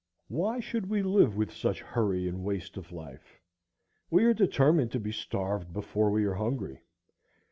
Why should we live with such hurry and waste of life? We are determined to be starved before we are hungry.